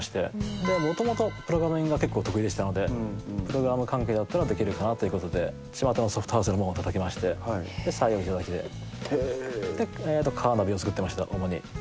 もともとプログラミングが結構得意でしたのでプログラム関係だったらできるかなということでちまたのソフトハウスの門をたたきまして採用いただいてでカーナビを作ってました主に。